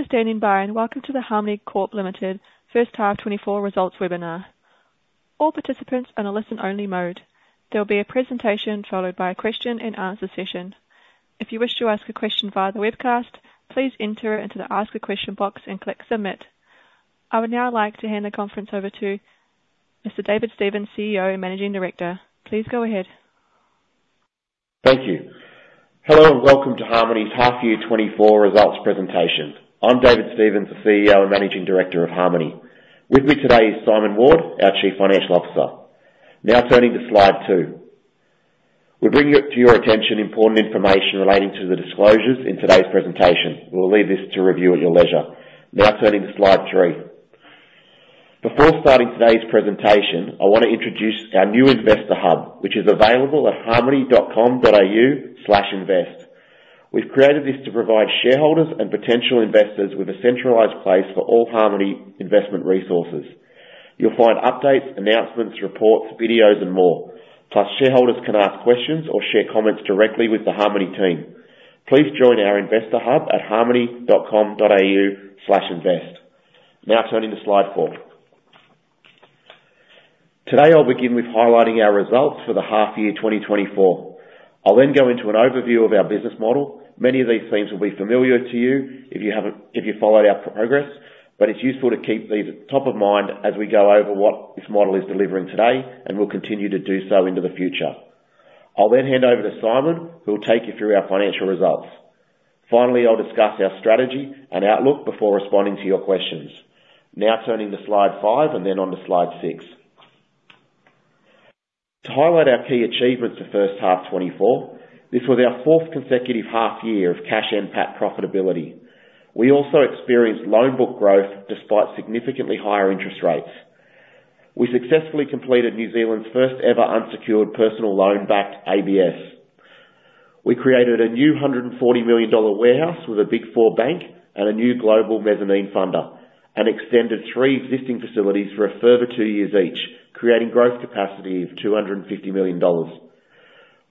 Thank you for standing by and welcome to the Harmoney Corp Limited first half 2024 results webinar. All participants are in a listen-only mode. There will be a presentation followed by a question-and-answer session. If you wish to ask a question via the webcast, please enter it into the Ask a Question box and click Submit. I would now like to hand the conference over to Mr. David Stevens, CEO and Managing Director. Please go ahead. Thank you. Hello and welcome to Harmoney's half-year 2024 results presentation. I'm David Stevens, the CEO and Managing Director of Harmoney. With me today is Simon Ward, our Chief Financial Officer. Now turning to slide two. We bring to your attention important information relating to the disclosures in today's presentation. We'll leave this to review at your leisure. Now turning to slide three. Before starting today's presentation, I want to introduce our new investor hub, which is available at harmoney.com.au/invest. We've created this to provide shareholders and potential investors with a centralized place for all Harmoney investment resources. You'll find updates, announcements, reports, videos, and more. Plus, shareholders can ask questions or share comments directly with the Harmoney team. Please join our investor hub at harmoney.com.au/invest. Now turning to slide four. Today, I'll begin with highlighting our results for the half-year 2024. I'll then go into an overview of our business model. Many of these themes will be familiar to you if you followed our progress, but it's useful to keep these top of mind as we go over what this model is delivering today, and we'll continue to do so into the future. I'll then hand over to Simon, who'll take you through our financial results. Finally, I'll discuss our strategy and outlook before responding to your questions. Now turning to slide five and then on to slide six. To highlight our key achievements for first half 2024, this was our fourth consecutive half-year of Cash NPAT profitability. We also experienced loan book growth despite significantly higher interest rates. We successfully completed New Zealand's first-ever unsecured personal loan-backed ABS. We created a new 140 million dollar warehouse with a Big Four bank and a new global mezzanine funder, and extended three existing facilities for a further two years each, creating growth capacity of 250 million dollars.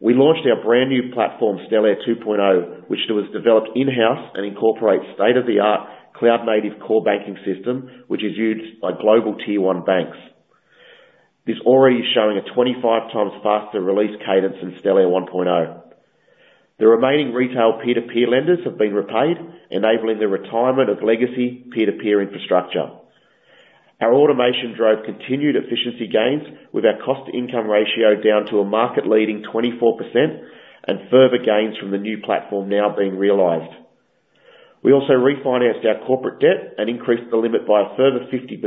We launched our brand-new platform, Stellare 2.0, which was developed in-house and incorporates state-of-the-art cloud-native core banking system, which is used by global Tier 1 banks. This already is showing a 25 times faster release cadence than Stellare 1.0. The remaining retail peer-to-peer lenders have been repaid, enabling the retirement of legacy peer-to-peer infrastructure. Our automation drove continued efficiency gains, with our cost-to-income ratio down to a market-leading 24% and further gains from the new platform now being realized. We also refinanced our corporate debt and increased the limit by a further 50%,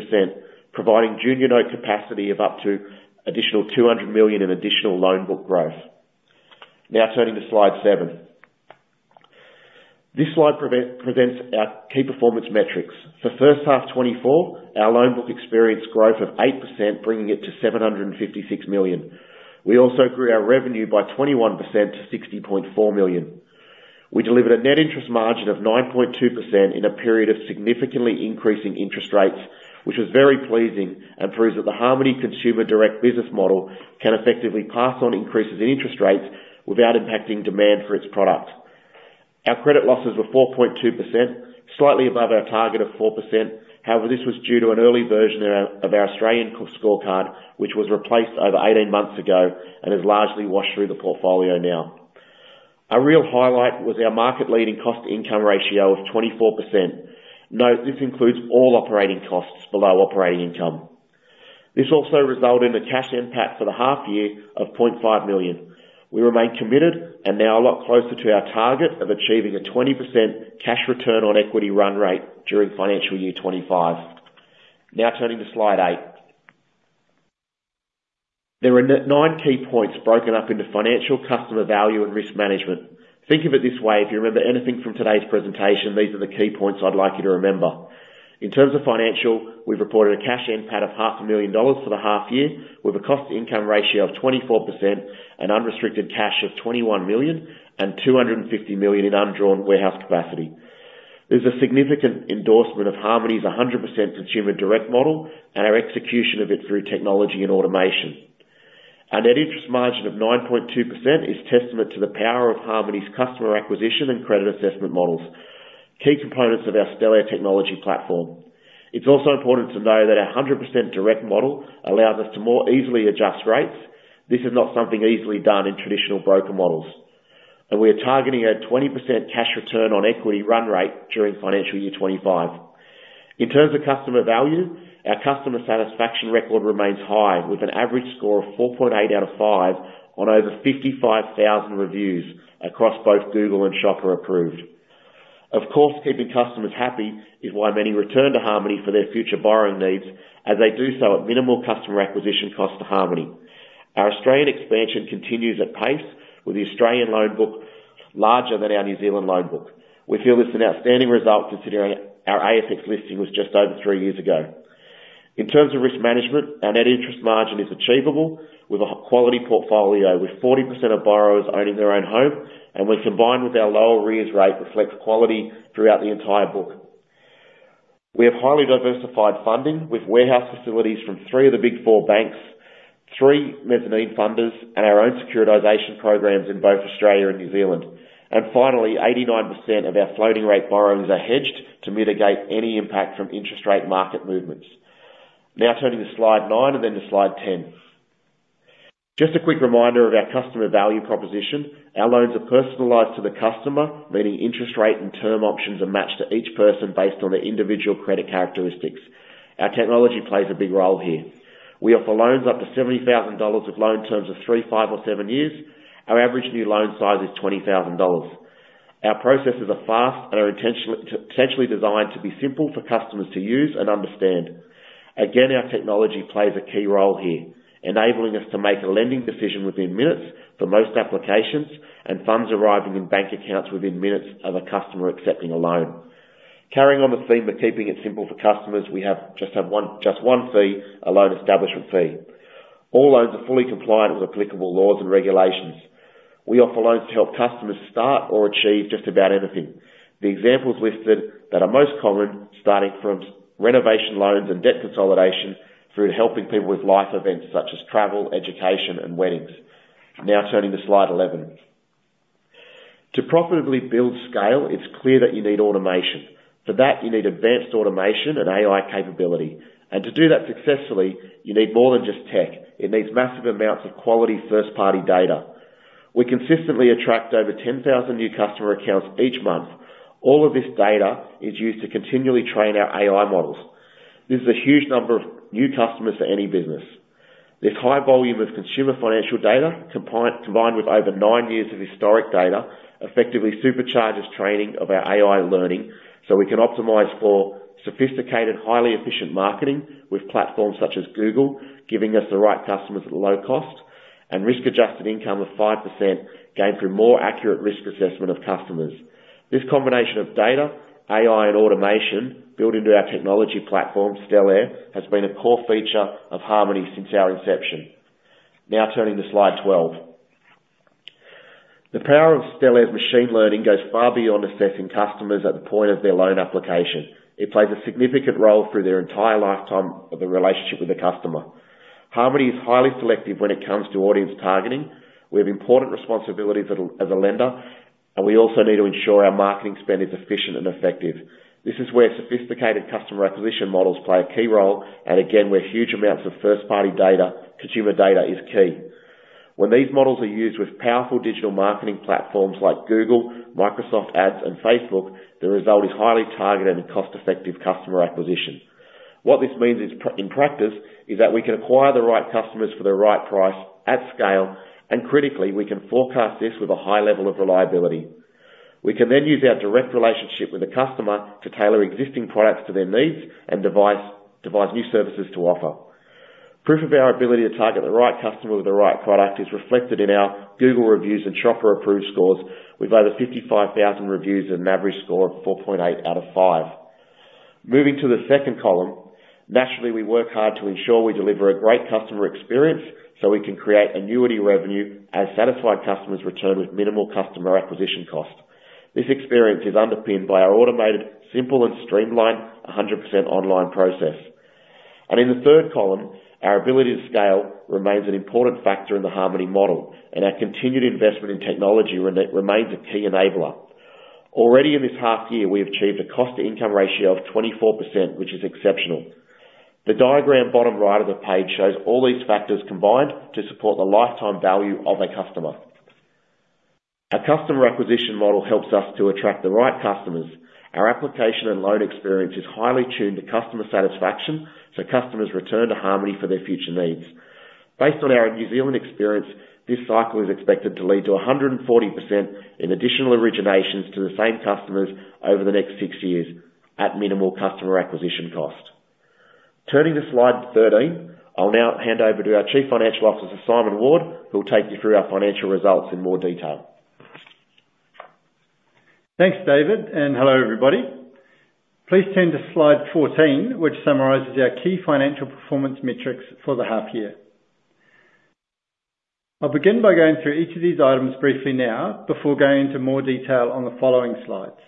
providing junior-note capacity of up to additional 200 million in additional loan book growth. Now turning to slide seven. This slide presents our key performance metrics. For first half 2024, our loan book experienced growth of 8%, bringing it to 756 million. We also grew our revenue by 21% to 60.4 million. We delivered a net interest margin of 9.2% in a period of significantly increasing interest rates, which was very pleasing and proves that the Harmoney consumer direct business model can effectively pass on increases in interest rates without impacting demand for its product. Our credit losses were 4.2%, slightly above our target of 4%. However, this was due to an early version of our Australian scorecard, which was replaced over 18 months ago and has largely washed through the portfolio now. A real highlight was our market-leading cost-to-income ratio of 24%. Note, this includes all operating costs below operating income. This also resulted in a Cash NPAT for the half-year of 0.5 million. We remained committed and now a lot closer to our target of achieving a 20% cash return on equity run rate during financial year 2025. Now turning to slide eight. There are nine key points broken up into financial, customer value, and risk management. Think of it this way. If you remember anything from today's presentation, these are the key points I'd like you to remember. In terms of financial, we've reported a Cash NPAT of 500,000 dollars for the half-year, with a cost-to-income ratio of 24% and unrestricted cash of 21 million and 250 million in undrawn warehouse capacity. There's a significant endorsement of Harmoney's 100% consumer direct model and our execution of it through technology and automation. Our net interest margin of 9.2% is a testament to the power of Harmoney's customer acquisition and credit assessment models, key components of our Stellare technology platform. It's also important to know that our 100% direct model allows us to more easily adjust rates. This is not something easily done in traditional broker models, and we are targeting a 20% cash return on equity run rate during financial year 2025. In terms of customer value, our customer satisfaction record remains high, with an average score of 4.8 out of 5 on over 55,000 reviews across both Google and Shopper Approved. Of course, keeping customers happy is why many return to Harmoney for their future borrowing needs, as they do so at minimal customer acquisition cost to Harmoney. Our Australian expansion continues at pace, with the Australian loan book larger than our New Zealand loan book. We feel this is an outstanding result, considering our ASX listing was just over three years ago. In terms of risk management, our net interest margin is achievable, with a quality portfolio with 40% of borrowers owning their own home, and when combined with our lower arrears rate, reflects quality throughout the entire book. We have highly diversified funding, with warehouse facilities from three of the Big Four banks, three mezzanine funders, and our own securitization programs in both Australia and New Zealand. And finally, 89% of our floating-rate borrowings are hedged to mitigate any impact from interest rate market movements. Now turning to slide nine and then to slide 10. Just a quick reminder of our customer value proposition. Our loans are personalized to the customer, meaning interest rate and term options are matched to each person based on their individual credit characteristics. Our technology plays a big role here. We offer loans up to 70,000 dollars with loan terms of three, five, or seven years. Our average new loan size is 20,000 dollars. Our processes are fast and are intentionally designed to be simple for customers to use and understand. Again, our technology plays a key role here, enabling us to make a lending decision within minutes for most applications and funds arriving in bank accounts within minutes of a customer accepting a loan. Carrying on the theme of keeping it simple for customers, we just have one fee, a loan establishment fee. All loans are fully compliant with applicable laws and regulations. We offer loans to help customers start or achieve just about anything. The examples listed that are most common, starting from renovation loans and debt consolidation through helping people with life events such as travel, education, and weddings. Now turning to slide 11. To profitably build scale, it's clear that you need automation. For that, you need advanced automation and AI capability. To do that successfully, you need more than just tech. It needs massive amounts of quality first-party data. We consistently attract over 10,000 new customer accounts each month. All of this data is used to continually train our AI models. This is a huge number of new customers for any business. This high volume of consumer financial data, combined with over nine years of historic data, effectively supercharges training of our AI learning so we can optimize for sophisticated, highly efficient marketing with platforms such as Google, giving us the right customers at low cost and risk-adjusted income of 5% gained through more accurate risk assessment of customers. This combination of data, AI, and automation built into our technology platform, Stellare, has been a core feature of Harmoney since our inception. Now turning to slide 12. The power of Stellare's machine learning goes far beyond assessing customers at the point of their loan application. It plays a significant role through their entire lifetime of a relationship with a customer. Harmoney is highly selective when it comes to audience targeting. We have important responsibilities as a lender, and we also need to ensure our marketing spend is efficient and effective. This is where sophisticated customer acquisition models play a key role, and again, where huge amounts of first-party consumer data is key. When these models are used with powerful digital marketing platforms like Google, Microsoft Ads, and Facebook, the result is highly targeted and cost-effective customer acquisition. What this means in practice is that we can acquire the right customers for the right price at scale, and critically, we can forecast this with a high level of reliability. We can then use our direct relationship with a customer to tailor existing products to their needs and devise new services to offer. Proof of our ability to target the right customer with the right product is reflected in our Google reviews and Shopper Approved scores with over 55,000 reviews and an average score of 4.8 out of 5. Moving to the second column, naturally, we work hard to ensure we deliver a great customer experience so we can create annuity revenue as satisfied customers return with minimal customer acquisition cost. This experience is underpinned by our automated, simple, and streamlined 100% online process. In the third column, our ability to scale remains an important factor in the Harmoney model, and our continued investment in technology remains a key enabler. Already in this half-year, we have achieved a cost-to-income ratio of 24%, which is exceptional. The diagram bottom right of the page shows all these factors combined to support the lifetime value of a customer. Our customer acquisition model helps us to attract the right customers. Our application and loan experience is highly tuned to customer satisfaction so customers return to Harmoney for their future needs. Based on our New Zealand experience, this cycle is expected to lead to 140% in additional originations to the same customers over the next six years at minimal customer acquisition cost. Turning to slide 13, I'll now hand over to our Chief Financial Officer, Simon Ward, who'll take you through our financial results in more detail. Thanks, David, and hello, everybody. Please turn to slide 14, which summarizes our key financial performance metrics for the half-year. I'll begin by going through each of these items briefly now before going into more detail on the following slides.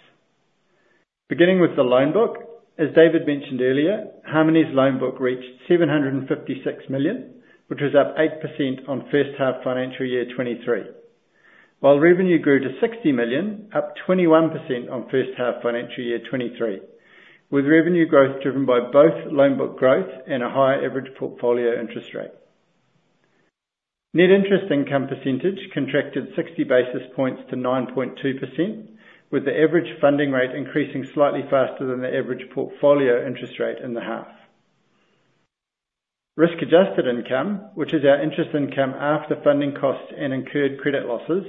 Beginning with the loan book, as David mentioned earlier, Harmoney's loan book reached 756 million, which was up 8% on first half financial year 2023, while revenue grew to 60 million, up 21% on first half financial year 2023, with revenue growth driven by both loan book growth and a higher average portfolio interest rate. Net interest income percentage contracted 60 basis points to 9.2%, with the average funding rate increasing slightly faster than the average portfolio interest rate in the half. Risk-adjusted income, which is our interest income after funding costs and incurred credit losses,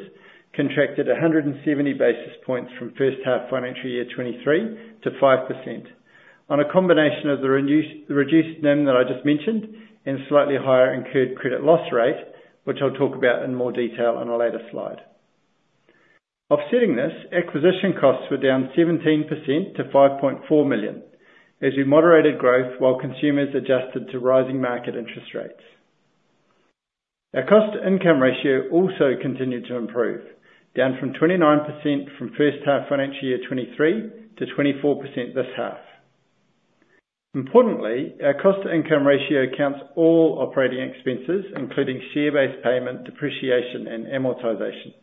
contracted 170 basis points from first half financial year 2023 to 5% on a combination of the reduced NIM that I just mentioned and slightly higher incurred credit loss rate, which I'll talk about in more detail on a later slide. Offsetting this, acquisition costs were down 17% to 5.4 million as we moderated growth while consumers adjusted to rising market interest rates. Our cost-to-income ratio also continued to improve, down from 29% from first half financial year 2023 to 24% this half. Importantly, our cost-to-income ratio accounts for all operating expenses, including share-based payment, depreciation, and amortization.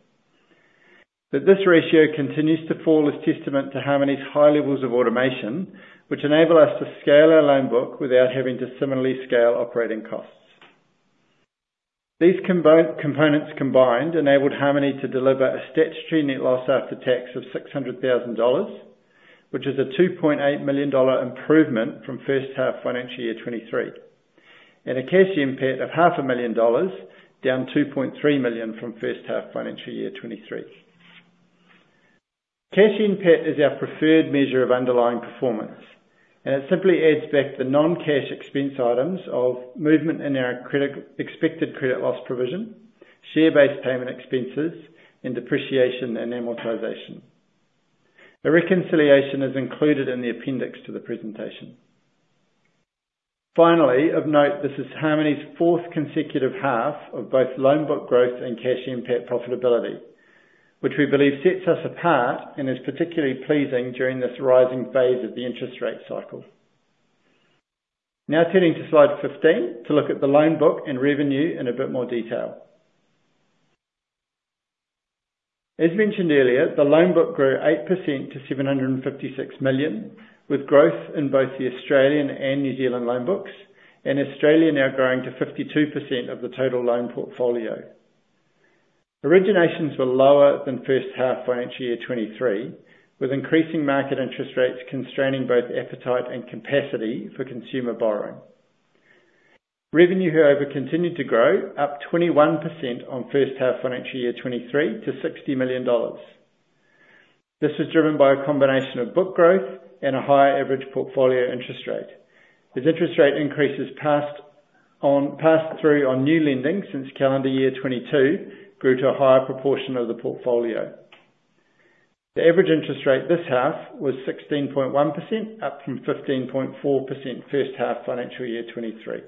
But this ratio continues to fall as a testament to Harmoney's high levels of automation, which enable us to scale our loan book without having to similarly scale operating costs. These components combined enabled Harmoney to deliver a statutory net loss after tax of 600,000 dollars, which is a 2.8 million dollar improvement from first half financial year 2023, and a Cash NPAT of 500,000 dollars, down 2.3 million from first half financial year 2023. Cash NPAT is our preferred measure of underlying performance, and it simply adds back the non-cash expense items of movement in our expected credit loss provision, share-based payment expenses, and depreciation and amortization. A reconciliation is included in the appendix to the presentation. Finally, of note, this is Harmoney's fourth consecutive half of both loan book growth and Cash NPAT profitability, which we believe sets us apart and is particularly pleasing during this rising phase of the interest rate cycle. Now turning to slide 15 to look at the loan book and revenue in a bit more detail. As mentioned earlier, the loan book grew 8% to 756 million, with growth in both the Australian and New Zealand loan books, and Australia now growing to 52% of the total loan portfolio. Originations were lower than first half financial year 2023, with increasing market interest rates constraining both appetite and capacity for consumer borrowing. Revenue, however, continued to grow, up 21% on first half financial year 2023 to 60 million dollars. This was driven by a combination of book growth and a higher average portfolio interest rate. As interest rate increases passed through on new lending since calendar year 2022, it grew to a higher proportion of the portfolio. The average interest rate this half was 16.1%, up from 15.4% first half financial year 2023.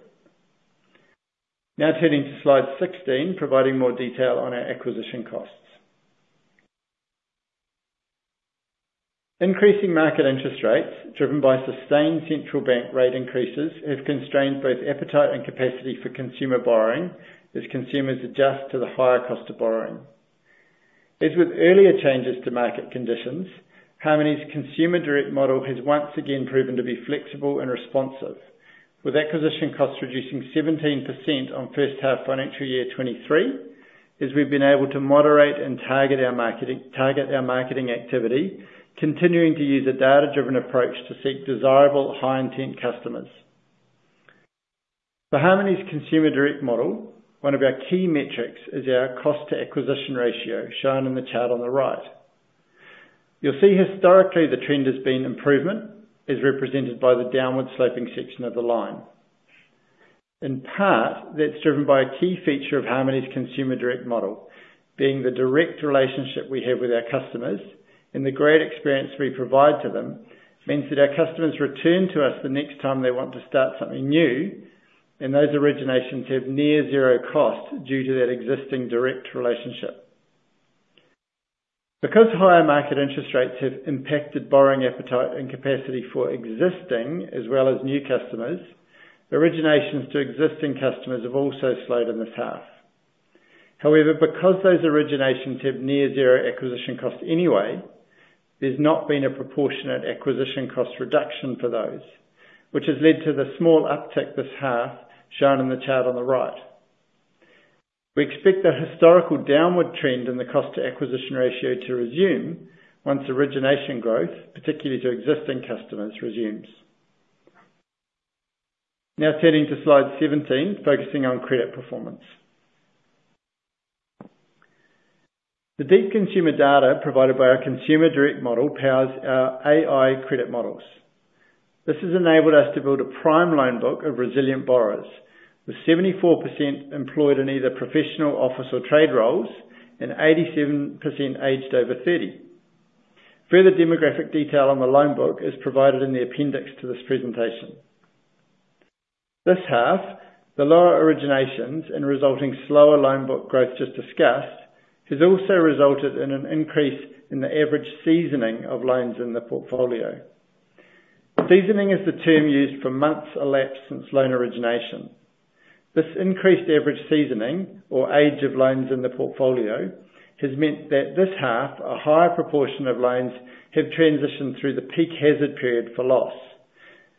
Now turning to slide 16, providing more detail on our acquisition costs. Increasing market interest rates, driven by sustained central bank rate increases, have constrained both appetite and capacity for consumer borrowing as consumers adjust to the higher cost of borrowing. As with earlier changes to market conditions, Harmoney's consumer direct model has once again proven to be flexible and responsive, with acquisition costs reducing 17% on first half financial year 2023 as we've been able to moderate and target our marketing activity, continuing to use a data-driven approach to seek desirable high-intent customers. For Harmoney's consumer direct model, one of our key metrics is our cost-to-acquisition ratio, shown in the chart on the right. You'll see historically, the trend has been improvement, as represented by the downward-sloping section of the line. In part, that's driven by a key feature of Harmoney's consumer direct model, being the direct relationship we have with our customers, and the great experience we provide to them means that our customers return to us the next time they want to start something new, and those originations have near-zero cost due to that existing direct relationship. Because higher market interest rates have impacted borrowing appetite and capacity for existing as well as new customers, originations to existing customers have also slowed in this half. However, because those originations have near-zero acquisition costs anyway, there's not been a proportionate acquisition cost reduction for those, which has led to the small uptick this half, shown in the chart on the right. We expect the historical downward trend in the cost-to-acquisition ratio to resume once origination growth, particularly to existing customers, resumes. Now turning to slide 17, focusing on credit performance. The deep consumer data provided by our consumer direct model powers our AI credit models. This has enabled us to build a prime loan book of resilient borrowers with 74% employed in either professional, office, or trade roles and 87% aged over 30. Further demographic detail on the loan book is provided in the appendix to this presentation. This half, the lower originations and resulting slower loan book growth just discussed, has also resulted in an increase in the average seasoning of loans in the portfolio. Seasoning is the term used for months elapsed since loan origination. This increased average seasoning, or age of loans in the portfolio, has meant that this half, a higher proportion of loans have transitioned through the peak hazard period for loss,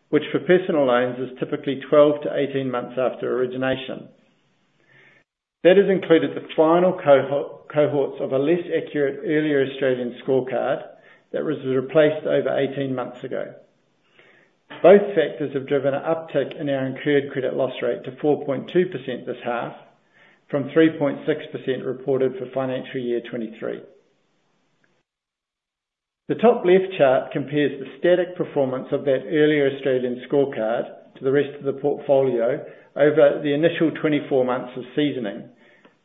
which for personal loans is typically 12-18 months after origination. That has included the final cohorts of a less accurate earlier Australian scorecard that was replaced over 18 months ago. Both factors have driven an uptick in our incurred credit loss rate to 4.2% this half from 3.6% reported for financial year 2023. The top left chart compares the static performance of that earlier Australian scorecard to the rest of the portfolio over the initial 24 months of seasoning,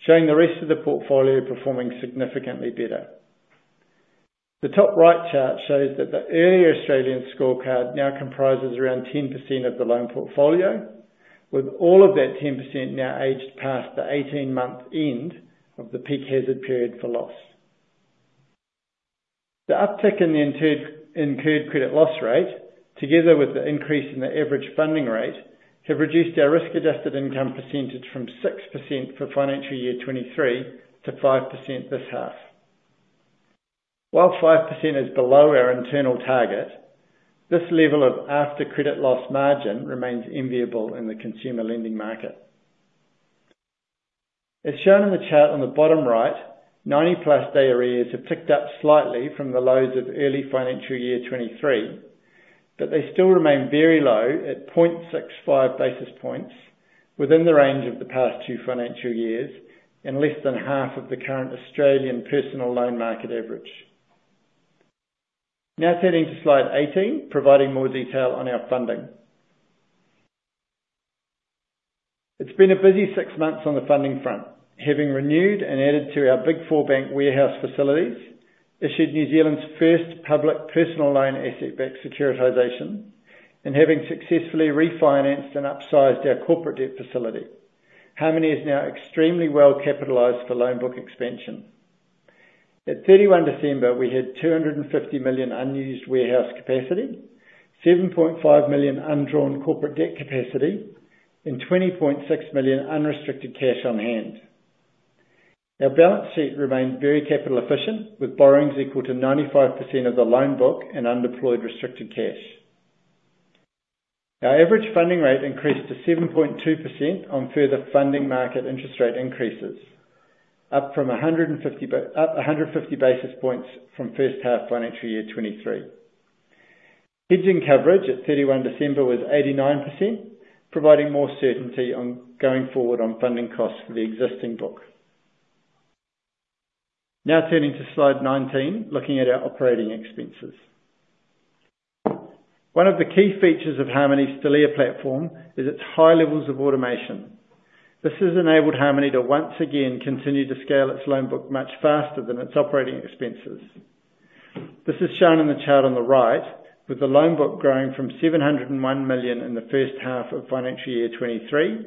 showing the rest of the portfolio performing significantly better. The top right chart shows that the earlier Australian scorecard now comprises around 10% of the loan portfolio, with all of that 10% now aged past the 18-month end of the peak hazard period for loss. The uptick in the incurred credit loss rate, together with the increase in the average funding rate, have reduced our risk-adjusted income percentage from 6% for financial year 2023 to 5% this half. While 5% is below our internal target, this level of after-credit loss margin remains enviable in the consumer lending market. As shown in the chart on the bottom right, 90+ day arrears have ticked up slightly from the lows of early financial year 2023, but they still remain very low at 0.65 basis points within the range of the past two financial years and less than half of the current Australian personal loan market average. Now turning to slide 18, providing more detail on our funding. It's been a busy six months on the funding front, having renewed and added to our Big Four bank warehouse facilities, issued New Zealand's first public personal loan asset-backed securitization, and having successfully refinanced and upsized our corporate debt facility. Harmoney is now extremely well capitalized for loan book expansion. At 31 December, we had 250 million unused warehouse capacity, 7.5 million undrawn corporate debt capacity, and 20.6 million unrestricted cash on hand. Our balance sheet remained very capital efficient, with borrowings equal to 95% of the loan book and undeployed restricted cash. Our average funding rate increased to 7.2% on further funding market interest rate increases, up 150 basis points from first half financial year 2023. Hedging coverage at 31 December was 89%, providing more certainty going forward on funding costs for the existing book. Now turning to slide 19, looking at our operating expenses. One of the key features of Harmoney's Stellare platform is its high levels of automation. This has enabled Harmoney to once again continue to scale its loan book much faster than its operating expenses. This is shown in the chart on the right, with the loan book growing from 701 million in the first half of financial year 2023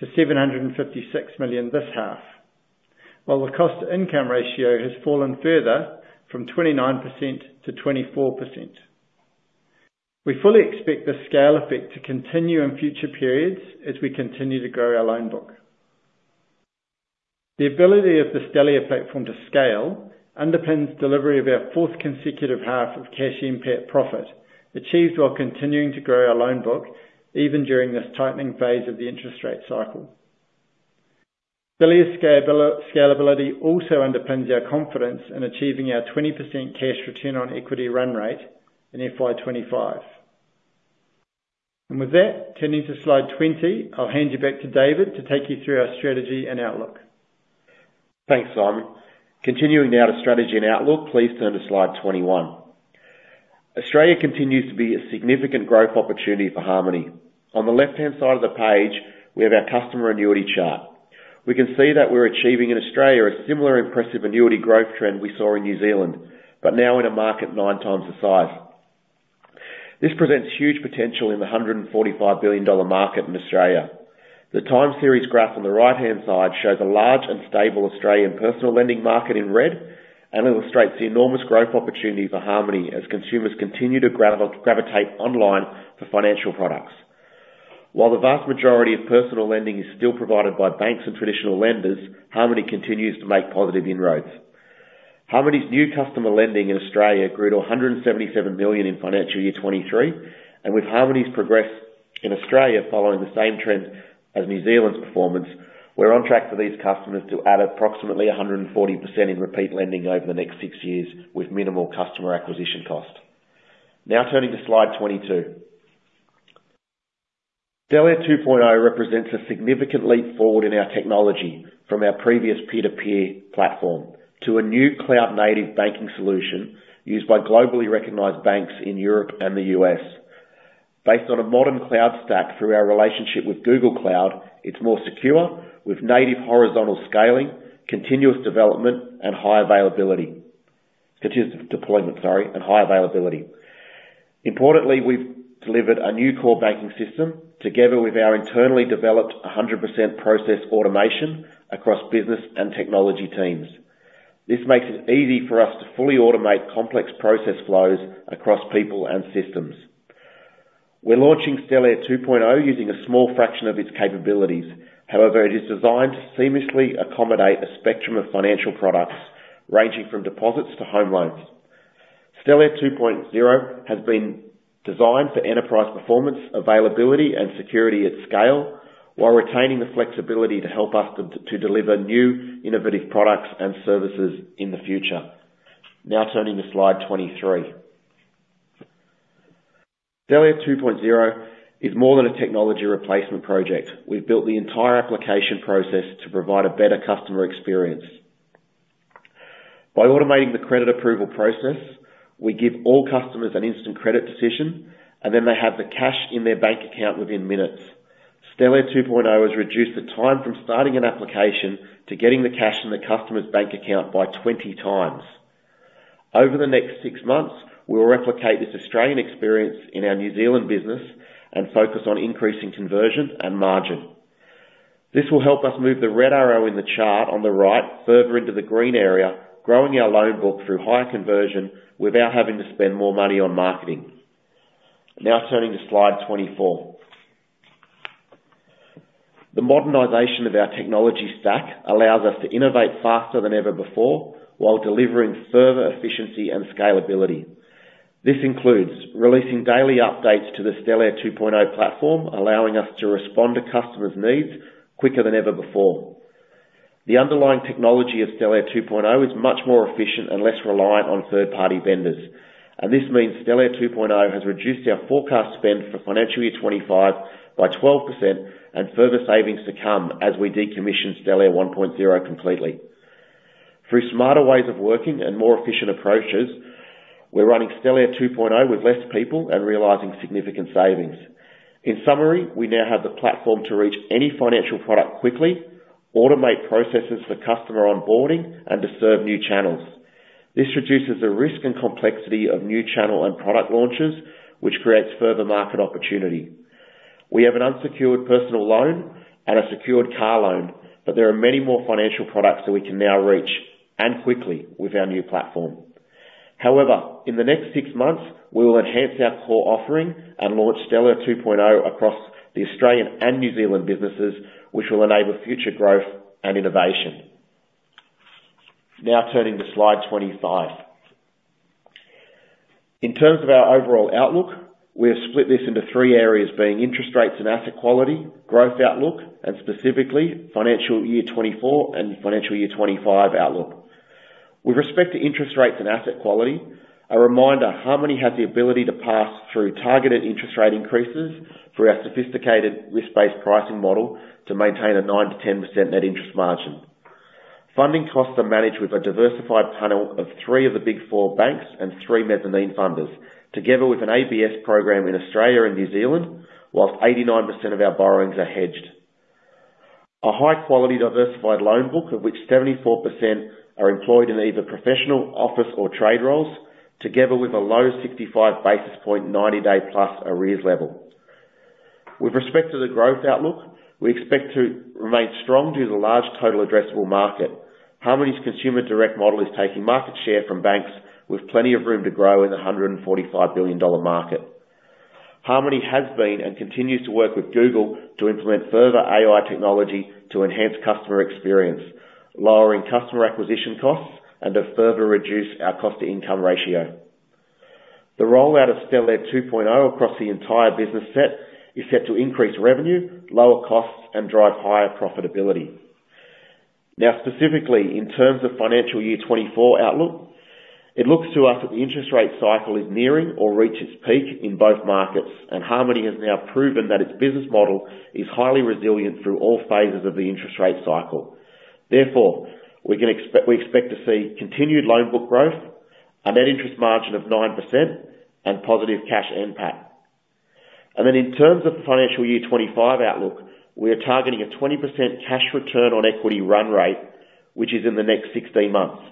to 756 million this half, while the cost-to-income ratio has fallen further from 29% to 24%. We fully expect this scale effect to continue in future periods as we continue to grow our loan book. The ability of the Stellare platform to scale underpins delivery of our fourth consecutive half of Cash NPAT profit, achieved while continuing to grow our loan book even during this tightening phase of the interest rate cycle. Stellare's scalability also underpins our confidence in achieving our 20% cash return on equity run rate in FY25. And with that, turning to slide 20, I'll hand you back to David to take you through our strategy and outlook. Thanks, Simon. Continuing now to strategy and outlook, please turn to slide 21. Australia continues to be a significant growth opportunity for Harmoney. On the left-hand side of the page, we have our customer annuity chart. We can see that we're achieving in Australia a similar impressive annuity growth trend we saw in New Zealand, but now in a market nine times the size. This presents huge potential in the 145 billion dollar market in Australia. The time series graph on the right-hand side shows a large and stable Australian personal lending market in red and illustrates the enormous growth opportunity for Harmoney as consumers continue to gravitate online for financial products. While the vast majority of personal lending is still provided by banks and traditional lenders, Harmoney continues to make positive inroads. Harmoney's new customer lending in Australia grew to 177 million in financial year 2023, and with Harmoney's progress in Australia following the same trend as New Zealand's performance, we're on track for these customers to add approximately 140% in repeat lending over the next six years with minimal customer acquisition cost. Now turning to slide 22. Stellare 2.0 represents a significant leap forward in our technology from our previous peer-to-peer platform to a new cloud-native banking solution used by globally recognized banks in Europe and the U.S. Based on a modern cloud stack through our relationship with Google Cloud, it's more secure with native horizontal scaling, continuous development, and high availability continuous deployment, sorry, and high availability. Importantly, we've delivered a new core banking system together with our internally developed 100% process automation across business and technology teams. This makes it easy for us to fully automate complex process flows across people and systems. We're launching Stellare 2.0 using a small fraction of its capabilities. However, it is designed to seamlessly accommodate a spectrum of financial products ranging from deposits to home loans. Stellare 2.0 has been designed for enterprise performance, availability, and security at scale while retaining the flexibility to help us to deliver new innovative products and services in the future. Now turning to slide 23. Stellare 2.0 is more than a technology replacement project. We've built the entire application process to provide a better customer experience. By automating the credit approval process, we give all customers an instant credit decision, and then they have the cash in their bank account within minutes. Stellare 2.0 has reduced the time from starting an application to getting the cash in the customer's bank account by 20 times. Over the next six months, we'll replicate this Australian experience in our New Zealand business and focus on increasing conversion and margin. This will help us move the red arrow in the chart on the right further into the green area, growing our loan book through higher conversion without having to spend more money on marketing. Now turning to slide 24. The modernization of our technology stack allows us to innovate faster than ever before while delivering further efficiency and scalability. This includes releasing daily updates to the Stellare 2.0 platform, allowing us to respond to customers' needs quicker than ever before. The underlying technology of Stellare 2.0 is much more efficient and less reliant on third-party vendors, and this means Stellare 2.0 has reduced our forecast spend for financial year 2025 by 12% and further savings to come as we decommission Stellare 1.0 completely. Through smarter ways of working and more efficient approaches, we're running Stellare 2.0 with less people and realizing significant savings. In summary, we now have the platform to reach any financial product quickly, automate processes for customer onboarding, and serve new channels. This reduces the risk and complexity of new channel and product launches, which creates further market opportunity. We have an unsecured personal loan and a secured car loan, but there are many more financial products that we can now reach and quickly with our new platform. However, in the next six months, we will enhance our core offering and launch Stellare 2.0 across the Australian and New Zealand businesses, which will enable future growth and innovation. Now turning to slide 25. In terms of our overall outlook, we have split this into three areas, being interest rates and asset quality, growth outlook, and specifically financial year 2024 and financial year 2025 outlook. With respect to interest rates and asset quality, a reminder, Harmoney has the ability to pass through targeted interest rate increases through our sophisticated risk-based pricing model to maintain a 9%-10% net interest margin. Funding costs are managed with a diversified panel of three of the Big Four banks and three mezzanine funders, together with an ABS program in Australia and New Zealand, while 89% of our borrowings are hedged. A high-quality diversified loan book, of which 74% are employed in either professional, office, or trade roles, together with a low 65 basis point 90-day plus arrears level. With respect to the growth outlook, we expect to remain strong due to the large total addressable market. Harmoney's consumer direct model is taking market share from banks, with plenty of room to grow in the 145 billion dollar market. Harmoney has been and continues to work with Google to implement further AI technology to enhance customer experience, lowering customer acquisition costs, and to further reduce our cost-to-income ratio. The rollout of Stellare 2.0 across the entire business set is set to increase revenue, lower costs, and drive higher profitability. Now, specifically in terms of financial year 2024 outlook, it looks to us that the interest rate cycle is nearing or reaching its peak in both markets, and Harmoney has now proven that its business model is highly resilient through all phases of the interest rate cycle. Therefore, we expect to see continued loan book growth, a net interest margin of 9%, and positive cash NPAT. Then in terms of the financial year 2025 outlook, we are targeting a 20% cash return on equity run rate, which is in the next 16 months.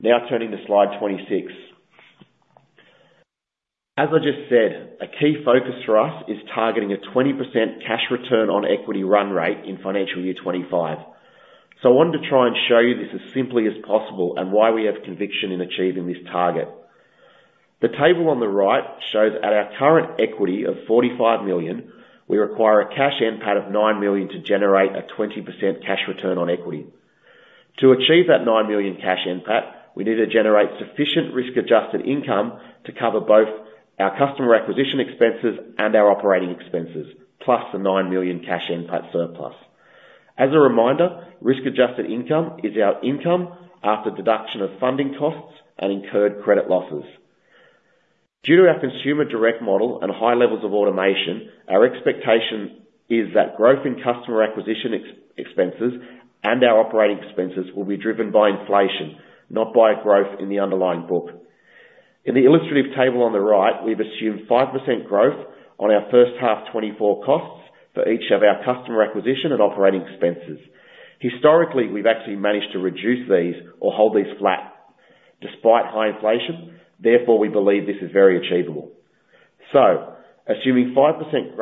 Now turning to slide 26. As I just said, a key focus for us is targeting a 20% Cash NPAT return on equity run rate in financial year 2025. So I wanted to try and show you this as simply as possible and why we have conviction in achieving this target. The table on the right shows at our current equity of 45 million, we require a Cash NPAT of 9 million to generate a 20% Cash NPAT return on equity. To achieve that 9 million Cash NPAT, we need to generate sufficient risk-adjusted income to cover both our customer acquisition expenses and our operating expenses, plus the 9 million Cash NPAT surplus. As a reminder, risk-adjusted income is our income after deduction of funding costs and incurred credit losses. Due to our consumer direct model and high levels of automation, our expectation is that growth in customer acquisition expenses and our operating expenses will be driven by inflation, not by growth in the underlying book. In the illustrative table on the right, we've assumed 5% growth on our first half 2024 costs for each of our customer acquisition and operating expenses. Historically, we've actually managed to reduce these or hold these flat despite high inflation. Therefore, we believe this is very achievable. So assuming 5%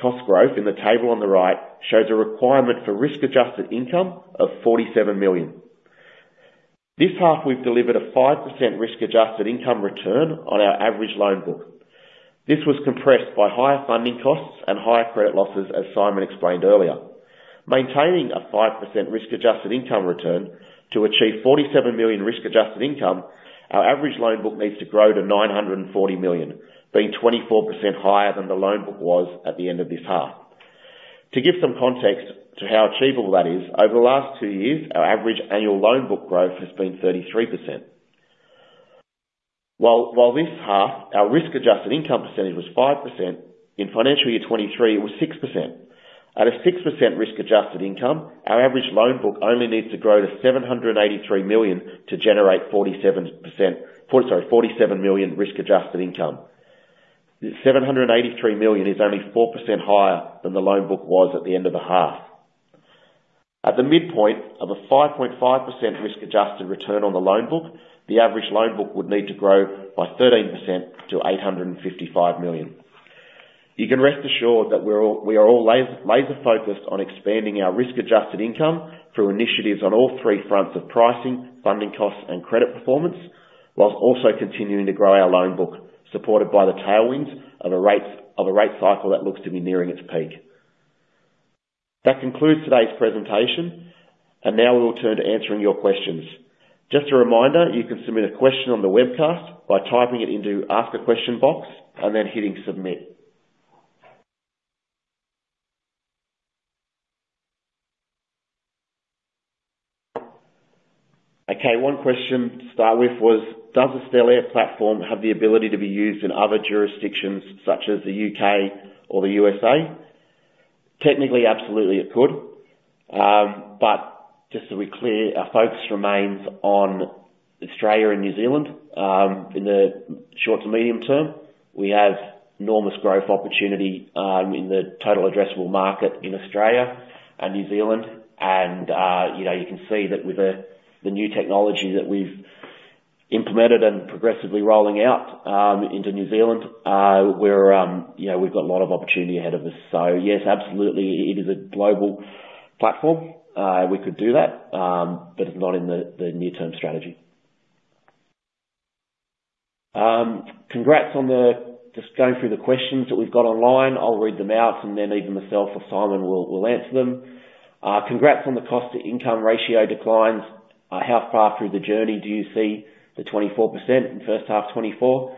cost growth in the table on the right shows a requirement for risk-adjusted income of 47 million. This half, we've delivered a 5% risk-adjusted income return on our average loan book. This was compressed by higher funding costs and higher credit losses, as Simon explained earlier. Maintaining a 5% risk-adjusted income return to achieve 47 million risk-adjusted income, our average loan book needs to grow to 940 million, being 24% higher than the loan book was at the end of this half. To give some context to how achievable that is, over the last two years, our average annual loan book growth has been 33%. While this half, our risk-adjusted income percentage was 5%, in financial year 2023, it was 6%. At a 6% risk-adjusted income, our average loan book only needs to grow to 783 million to generate 47% sorry, 47 million risk-adjusted income. 783 million is only 4% higher than the loan book was at the end of the half. At the midpoint of a 5.5% risk-adjusted return on the loan book, the average loan book would need to grow by 13% to 855 million. You can rest assured that we are all laser-focused on expanding our risk-adjusted income through initiatives on all three fronts of pricing, funding costs, and credit performance, while also continuing to grow our loan book, supported by the tailwinds of a rate cycle that looks to be nearing its peak. That concludes today's presentation, and now we will turn to answering your questions. Just a reminder, you can submit a question on the webcast by typing it into the ask-a-question box and then hitting submit. Okay. One question to start with was, does the Stellare platform have the ability to be used in other jurisdictions such as the UK or the USA? Technically, absolutely, it could. But just to be clear, our focus remains on Australia and New Zealand in the short to medium term. We have enormous growth opportunity in the total addressable market in Australia and New Zealand. And you can see that with the new technology that we've implemented and progressively rolling out into New Zealand, we've got a lot of opportunity ahead of us. So yes, absolutely, it is a global platform. We could do that, but it's not in the near-term strategy. Congrats on the just going through the questions that we've got online. I'll read them out, and then even myself or Simon will answer them. Congrats on the cost-to-income ratio declines. How far through the journey do you see the 24% in first half 2024?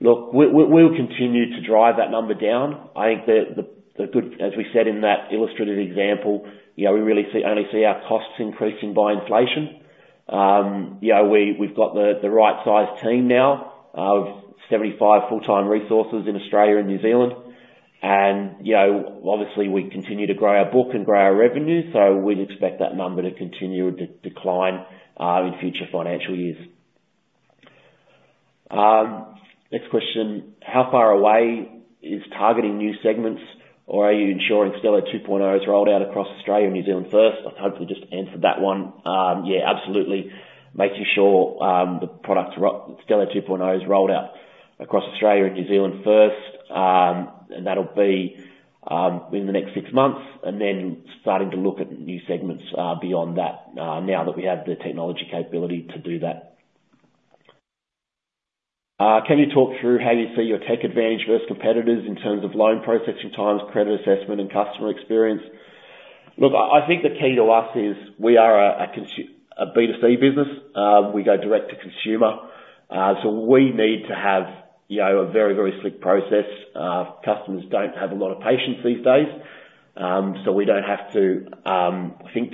Look, we'll continue to drive that number down. I think that the good as we said in that illustrative example, we really only see our costs increasing by inflation. We've got the right-sized team now of 75 full-time resources in Australia and New Zealand. Obviously, we continue to grow our book and grow our revenue, so we'd expect that number to continue to decline in future financial years. Next question. How far away is targeting new segments, or are you ensuring Stellare 2.0 is rolled out across Australia and New Zealand first? I've hopefully just answered that one. Yeah, absolutely, making sure the product Stellare 2.0 is rolled out across Australia and New Zealand first, and that'll be within the next six months, and then starting to look at new segments beyond that now that we have the technology capability to do that. Can you talk through how you see your tech advantage versus competitors in terms of loan processing times, credit assessment, and customer experience? Look, I think the key to us is we are a B2C business. We go direct to consumer. So we need to have a very, very slick process. Customers don't have a lot of patience these days, so we don't have to, I think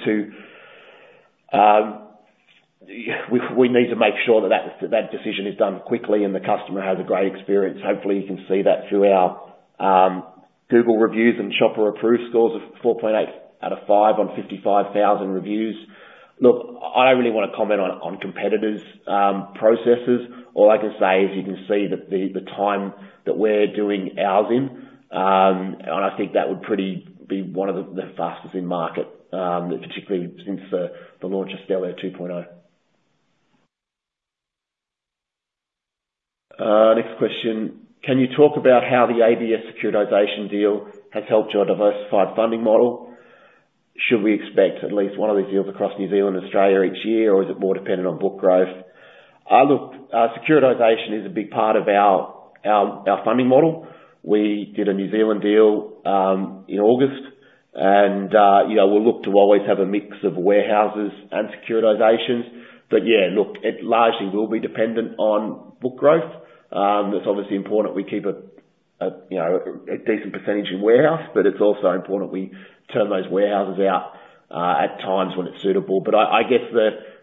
we need to make sure that decision is done quickly and the customer has a great experience. Hopefully, you can see that through our Google reviews and Shopper Approved scores of 4.8 out of 5 on 55,000 reviews. Look, I don't really want to comment on competitors' processes. All I can say is you can see the time that we're doing ours in, and I think that would pretty be one of the fastest in market, particularly since the launch of Stellare 2.0. Next question. Can you talk about how the ABS securitization deal has helped your diversified funding model? Should we expect at least one of these deals across New Zealand and Australia each year, or is it more dependent on book growth? Look, securitization is a big part of our funding model. We did a New Zealand deal in August, and we'll look to always have a mix of warehouses and securitizations. But yeah, look, it largely will be dependent on book growth. It's obviously important we keep a decent percentage in warehouse, but it's also important we turn those warehouses out at times when it's suitable. But I guess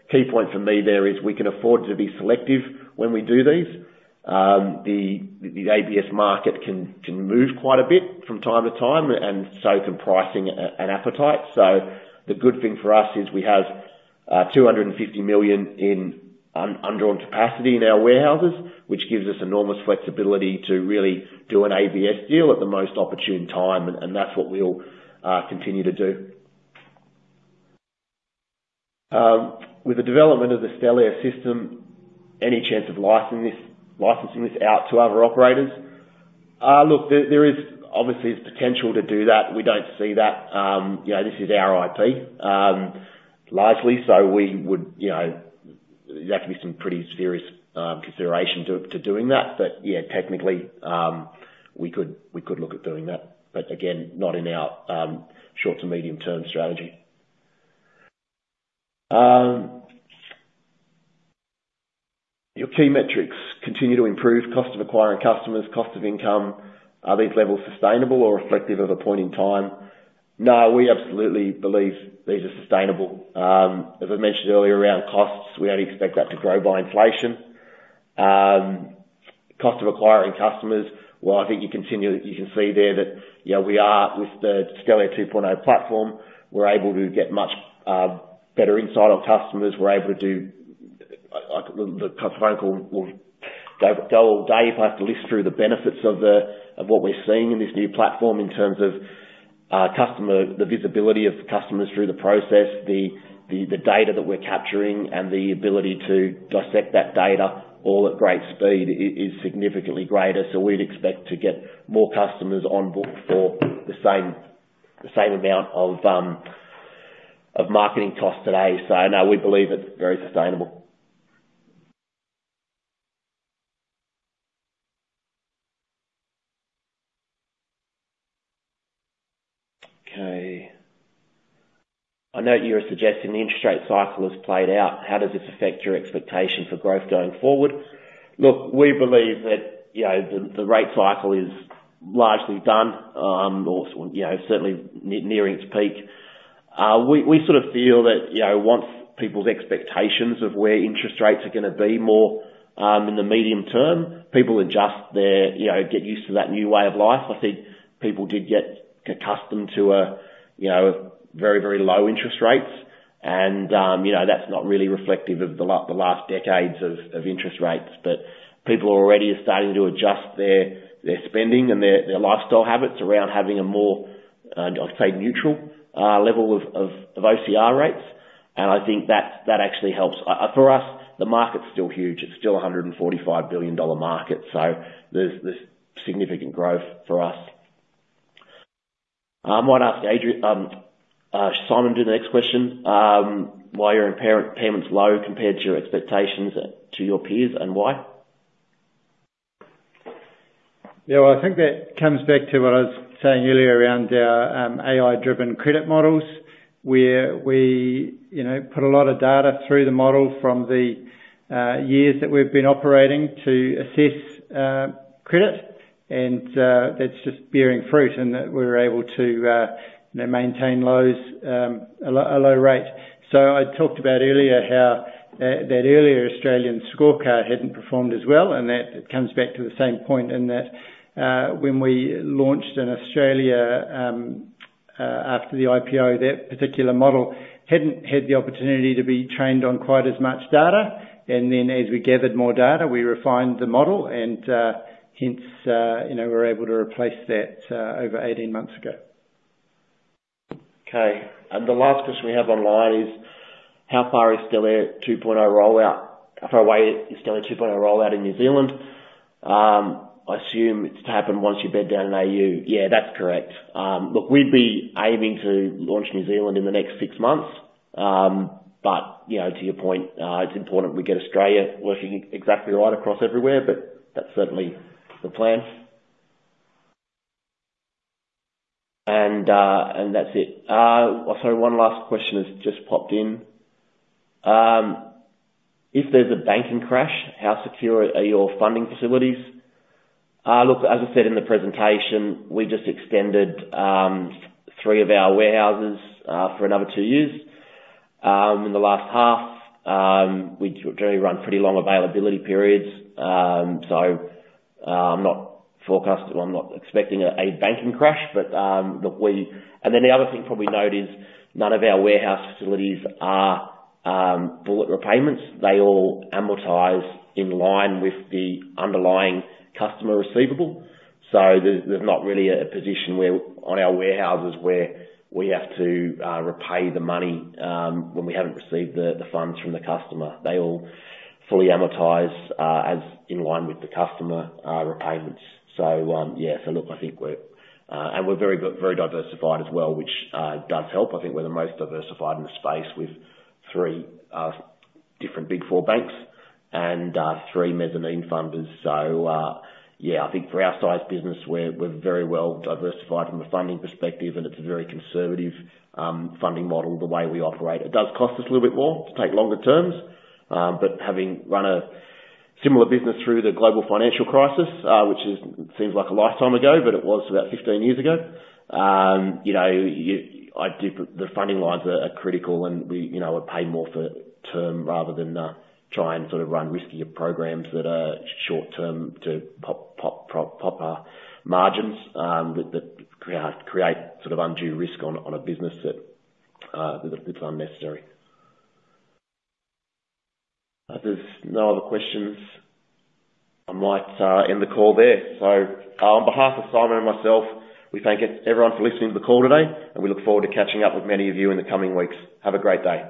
the key point for me there is we can afford to be selective when we do these. The ABS market can move quite a bit from time to time, and so can pricing and appetite. So the good thing for us is we have 250 million in undrawn capacity in our warehouses, which gives us enormous flexibility to really do an ABS deal at the most opportune time, and that's what we'll continue to do. With the development of the Stellare system, any chance of licensing this out to other operators? Look, obviously, there's potential to do that. We don't see that. This is our IP, largely, so that could be some pretty serious consideration to doing that. But yeah, technically, we could look at doing that, but again, not in our short to medium-term strategy. Your key metrics continue to improve: cost of acquiring customers, cost of income. Are these levels sustainable or reflective of a point in time? No, we absolutely believe these are sustainable. As I mentioned earlier around costs, we don't expect that to grow by inflation. Cost of acquiring customers, well, I think you can see there that we are with the Stellare 2.0 platform, we're able to get much better insight on customers. We're able to do the customer phone call will go all day if I have to list through the benefits of what we're seeing in this new platform in terms of the visibility of customers through the process, the data that we're capturing, and the ability to dissect that data all at great speed is significantly greater. So we'd expect to get more customers on book for the same amount of marketing cost today. So no, we believe it's very sustainable. Okay. I note you were suggesting the interest rate cycle has played out. How does this affect your expectation for growth going forward? Look, we believe that the rate cycle is largely done or certainly nearing its peak. We sort of feel that once people's expectations of where interest rates are going to be more in the medium term, people adjust, they get used to that new way of life. I think people did get accustomed to very, very low interest rates, and that's not really reflective of the last decades of interest rates. But people already are starting to adjust their spending and their lifestyle habits around having a more, I'd say, neutral level of OCR rates, and I think that actually helps. For us, the market's still huge. It's still a 145 billion dollar market, so there's significant growth for us. I might ask Adrian Simon to do the next question. Why are your payments low compared to your expectations to your peers, and why? Yeah, well, I think that comes back to what I was saying earlier around our AI-driven credit models. We put a lot of data through the model from the years that we've been operating to assess credit, and that's just bearing fruit in that we're able to maintain a low rate. So I talked about earlier how that earlier Australian scorecard hadn't performed as well, and that comes back to the same point in that when we launched in Australia after the IPO, that particular model hadn't had the opportunity to be trained on quite as much data. And then as we gathered more data, we refined the model, and hence, we were able to replace that over 18 months ago. Okay. And the last question we have online is, how far is Stellare 2.0 rollout how far away is Stellare 2.0 rollout in New Zealand? I assume it's to happen once you're bed down in AU. Yeah, that's correct. Look, we'd be aiming to launch New Zealand in the next six months, but to your point, it's important we get Australia working exactly right across everywhere, but that's certainly the plan. And that's it. Sorry, one last question has just popped in. If there's a banking crash, how secure are your funding facilities? Look, as I said in the presentation, we just extended three of our warehouses for another two years. In the last half, we generally run pretty long availability periods, so I'm not forecasting well, I'm not expecting a banking crash, but look, we and then the other thing probably note is none of our warehouse facilities are bullet repayments. They all amortize in line with the underlying customer receivable, so there's not really a position on our warehouses where we have to repay the money when we haven't received the funds from the customer. They all fully amortize in line with the customer repayments. So yeah, so look, I think we're and we're very diversified as well, which does help. I think we're the most diversified in the space. We've three different Big Four banks and three mezzanine funders. So yeah, I think for our size business, we're very well diversified from a funding perspective, and it's a very conservative funding model the way we operate. It does cost us a little bit more to take longer terms, but having run a similar business through the global financial crisis, which seems like a lifetime ago, but it was about 15 years ago, I do the funding lines are critical, and we would pay more for term rather than try and sort of run riskier programs that are short-term to proper margins that create sort of undue risk on a business that's unecessary. If there's no other questions, I might end the call there. So on behalf of Simon and myself, we thank everyone for listening to the call today, and we look forward to catching up with many of you in the coming weeks. Have a great day.